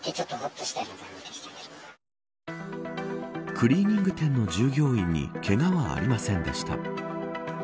クリーニング店の従業員にけがはありませんでした。